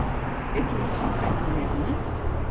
A quina ciutat governen?